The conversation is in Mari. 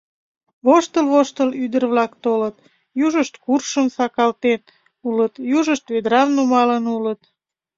Воштыл-воштыл, ӱдыр-влак толыт: южышт куршым сакалтен улыт, южышт ведрам нумалын улыт.